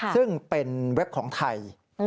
ซึ่งเป็นเว็บของไทย